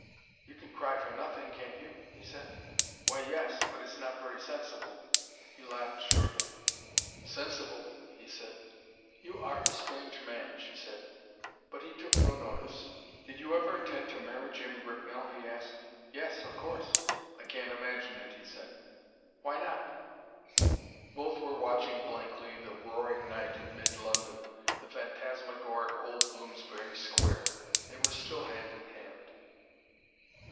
"You can cry for nothing, can't you?" he said. "Why, yes, but it's not very sensible." He laughed shortly. "Sensible!" he said. "You are a strange man," she said. But he took no notice. "Did you ever intend to marry Jim Bricknell?" he asked. "Yes, of course." "I can't imagine it," he said. "Why not?" Both were watching blankly the roaring night of mid London, the phantasmagoric old Bloomsbury Square. They were still hand in hand.